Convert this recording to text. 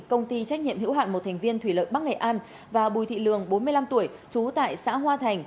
công ty trách nhiệm hữu hạn một thành viên thủy lợi bắc nghệ an và bùi thị lường bốn mươi năm tuổi trú tại xã hoa thành